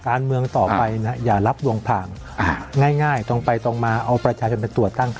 การเมืองต่อไปนะอย่ารับวงทางอ่าง่ายง่ายตรงไปตรงมาเอาประชาชนเป็นตัวตั้ง